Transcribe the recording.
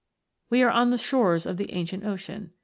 We are on the shores of the Ancient Ocean.